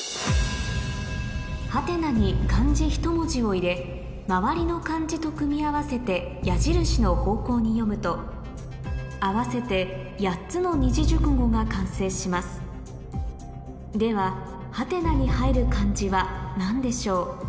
ハテナに漢字ひと文字を入れ周りの漢字と組み合わせて矢印の方向に読むと合わせて８つの二字熟語が完成しますではハテナに入る漢字は何でしょう？